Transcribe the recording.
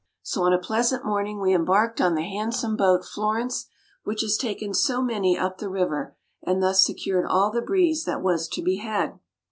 So on a pleasant morning we embarked on the handsome boat "Florence," which has taken so many up the river, and thus secured all the breeze that was to be had.